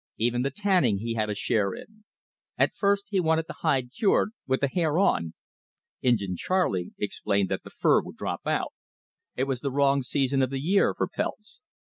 Even the tanning he had a share in. At first he wanted the hide cured, "with the hair on." Injin Charley explained that the fur would drop out. It was the wrong season of the year for pelts.